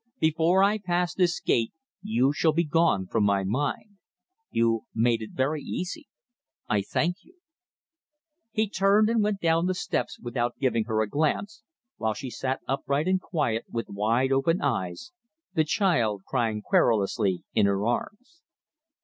Before I pass this gate you shall be gone from my mind. You made it very easy. I thank you." He turned and went down the steps without giving her a glance, while she sat upright and quiet, with wide open eyes, the child crying querulously in her arms.